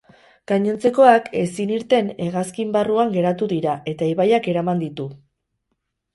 Gainontzekoak ezin irten hegazkin barruan geratu dira eta ibaiak eraman ditu.